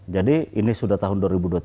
jadi ini sudah tahun dua ribu dua puluh tiga